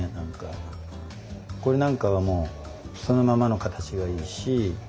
これなんかはもうそのままの形がいいし。